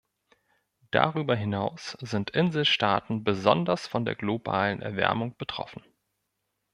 Darüber hinaus sind Inselstaaten besonders von der globalen Erwärmung betroffen.